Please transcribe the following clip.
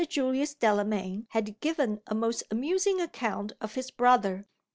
Julius Delamayn had given a most amusing account of his brother.